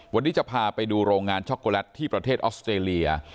วันนี้จะพาไปดูโรงงานช็อกโกแลตที่ประเทศออสเตรเลีย